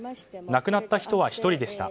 亡くなった人は１人でした。